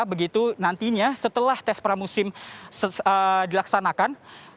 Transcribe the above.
begitu nantinya setelah tes pramusim dilaksanakan